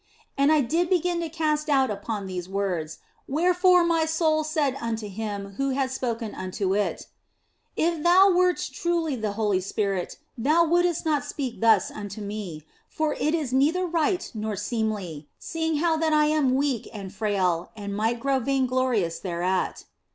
And I did begin to cast doubt upon these words, wherefore my soul said unto Him who had spoken unto it :" If Thou wert truly the Holy Spirit Thou wouldst not speak thus unto me, for it is neither right nor seemly, seeing how that I am weak and frail and might grow vainglorious thereat."